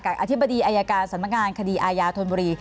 อธิบดีอายการสำนักงานคดีอาญาธนบุรี